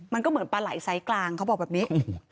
มันก็เหมือนปลาไหล่ไซส์กลางเขาบอกแบบนี้